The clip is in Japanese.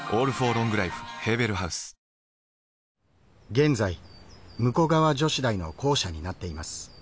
現在武庫川女子大の校舎になっています。